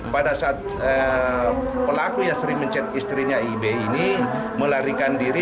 pada saat pelaku yang sering mencet istrinya ib ini melarikan diri